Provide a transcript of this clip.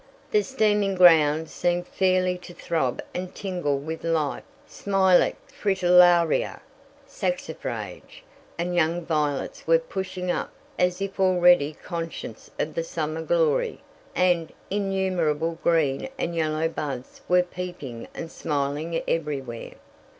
The steaming ground seemed fairly to throb and tingle with life; smilax, fritillaria, saxifrage, and young violets were pushing up as if already conscious of the summer glory, and innumerable green and yellow buds were peeping and smiling everywhere.